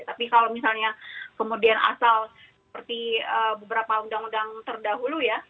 tapi kalau misalnya kemudian asal seperti beberapa undang undang terdahulu ya